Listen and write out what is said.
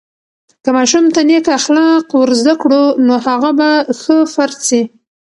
که ماشوم ته نیک اخلاق ورزده کړو، نو هغه به ښه فرد سي.